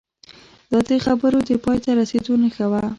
دا د خبرو د پای ته رسیدو نښه وه